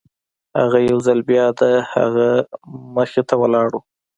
هغه يو ځل بيا د هغه مخې ته ولاړ و.